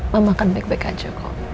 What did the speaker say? mama akan back back aja kok